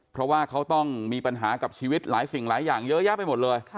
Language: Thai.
เพราะว่าเขาต้องมีปัญหากับชีวิตหลายสิ่งหลายอย่างเยอะแยะไปหมดเลย